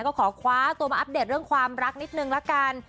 ก็ขอคว้าตัวมาอัปเดตเรื่องความรักนิดนึงละกัน